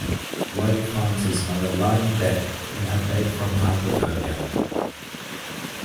Wade finds his mother lying dead in her bed from hypothermia.